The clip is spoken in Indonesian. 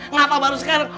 ngapa baru sekarang